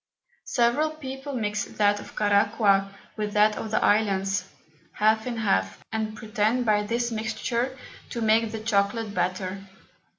Several People mix that of Caraqua with that of the Islands, half in half, and pretend by this Mixture to make the Chocolate better.